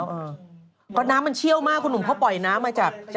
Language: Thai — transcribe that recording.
เพราะน้ำมันเชี่ยวมากคุณหนุ่มเขาปล่อยน้ำมาจาก